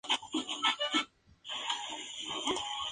En la adaptación japonesa su "seiyū" es Yui Horie.